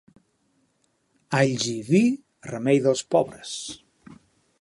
Alls i vi, remei dels pobres.